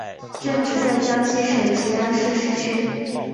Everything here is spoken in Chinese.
站址在江西省吉安市市区。